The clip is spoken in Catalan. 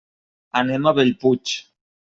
Anem a Bellpuig.